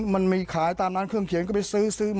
มันมีขายตามร้านเครื่องเคียงก็ไปข้ึ้น